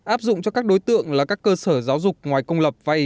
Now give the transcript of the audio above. áp dụng cho các đối tượng là các cơ sở giáo dục ngoài công lập vay